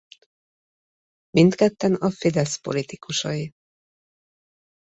Mindketten a Fidesz politikusai.